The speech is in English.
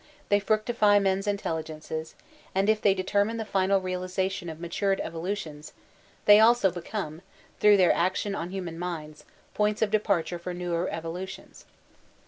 They fructify men's intelligences; and if they determine the final realization of matured evolutions, they also become, through their action on 312 VOLTAUUNB DB ClBYUI human mindSy points of departure for newer evolutions."